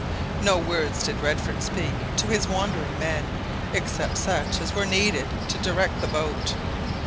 No words did Redford speak to his wondering men, except such as were needed to direct the boat.